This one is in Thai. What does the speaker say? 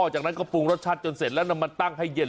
จากนั้นก็ปรุงรสชาติจนเสร็จแล้วนำมาตั้งให้เย็น